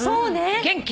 元気！